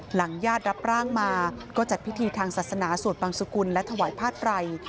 ญาติรับร่างมาก็จัดพิธีทางศาสนาสวดบังสุกุลและถวายผ้าไพร